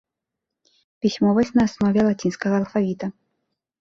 Пісьмовасць на аснове лацінскага алфавіта.